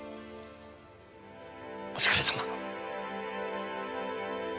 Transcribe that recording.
お疲れさま。